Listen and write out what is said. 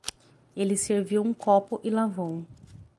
Ele serviu um copo e lavou.